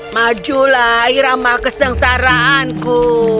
majulah irama kesengsaraanku